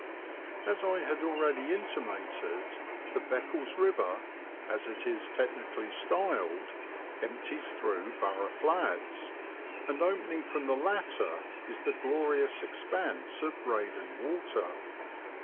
As I have already intimated, the Beccles Biver, as it is technically styled, empties through Burgh Flats, and opening from the latter is the glorious expanse of Breydon Water